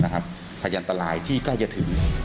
พยานตรายที่ใกล้จะถึง